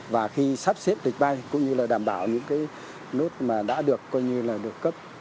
và khi sắp xếp lịch bay cũng như là đảm bảo những cái nốt mà đã được coi như là được cấp